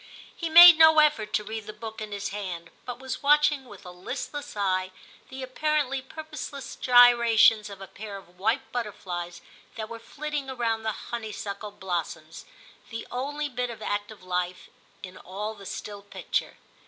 He made no effort to read the book in his hand, but was watching with a listless eye the ap VIII TIM 165 parently purposeless gyrations of a pair of white butterflies that were flitting round the honeysuckle blossoms, the only bit of active life in all the still picture.